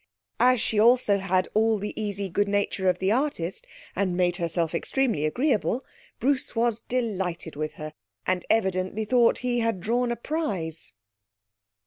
As she also had all the easy good nature of the artist, and made herself extremely agreeable, Bruce was delighted with her, and evidently thought he had drawn a prize.